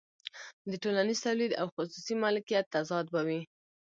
د ټولنیز تولید او خصوصي مالکیت تضاد به وي